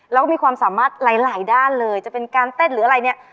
แล้วก็มีความสามารถหลายหลายด้านเลยจะเป็นการเต้นหรืออะไรเนี่ย